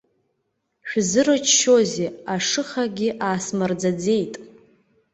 Шәзырччозеи, ашыхагьы асымраӡаӡеит.